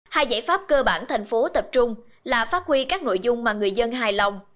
hai giải pháp cơ bản thành phố tập trung là phát huy các nội dung mà người dân hài lòng